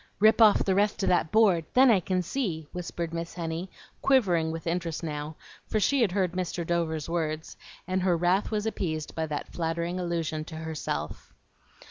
"Rip off the rest of that board, then I can see," whispered Miss Henny, quivering with interest now; for she had heard Mr. Dover's words, and her wrath was appeased by that flattering allusion to herself.